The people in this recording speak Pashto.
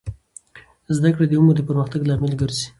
زده کړه د عمر د پرمختګ لامل ګرځي.